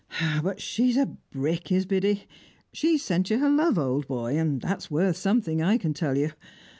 Eh, but she's a brick, is Biddy; she sent you her love, old boy, and that's worth something, I can tell you.